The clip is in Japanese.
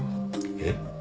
えっ？